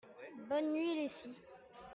Bonne nuit, les filles.